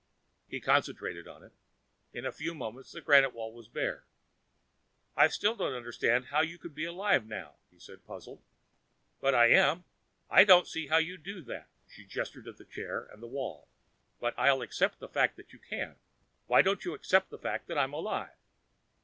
He concentrated on it. In a few moments the granite wall was bare. "I still don't understand how you could be alive now," he said puzzled. "But I am. I don't see how you do that " she gestured at the chair and wall "But I'll accept the fact that you can. Why don't you accept the fact that I'm alive?"